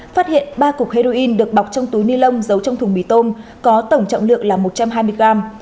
phát hiện ba cục heroin được bọc trong túi ni lông giấu trong thùng mì tôm có tổng trọng lượng là một trăm hai mươi gram